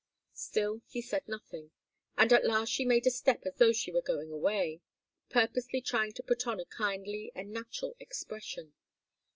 Still he said nothing, and at last she made a step as though she were going away, purposely trying to put on a kindly and natural expression.